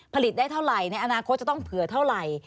ผลิตได้เท่าไหร่ในอนาคตจะต้องเผื่อเท่าไหร่